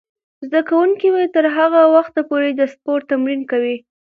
زده کوونکې به تر هغه وخته پورې د سپورت تمرین کوي.